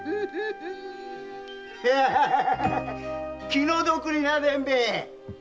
気の毒にな伝兵衛。